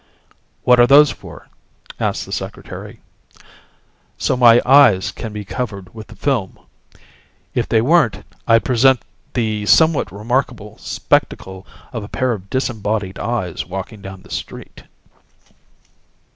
"What are those for?" asked the Secretary. "So my eyes can be covered with the film. If they weren't, I'd present the somewhat remarkable spectacle of a pair of disembodied eyes walking down the street."